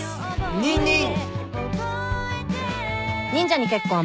ニンニン。